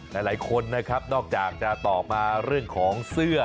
หลายคนนะครับนอกจากจะตอบมาเรื่องของเสื้อ